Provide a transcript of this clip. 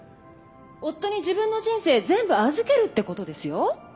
夫に自分の人生全部預けるってことですよ？